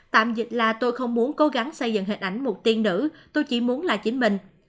tạm dịch là tôi không muốn cố gắng xây dựng hình ảnh một tiên nữ tôi chỉ muốn là chính mình